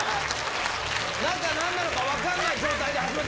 中、なんなのか分かんない状態で始まって。